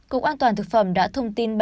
cục an toàn thực phẩm đã thông tin